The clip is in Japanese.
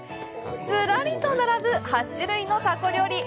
ずらりと並ぶ８種類のたこ料理。